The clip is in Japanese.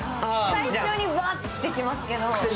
最初にバーッてきますけど。